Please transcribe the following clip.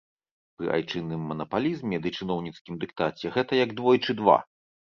Пры айчынным манапалізме ды чыноўніцкім дыктаце гэта як двойчы два.